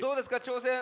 挑戦。